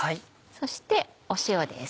そして塩です。